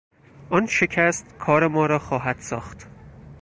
آن شکست کار ما را خواهد ساخت.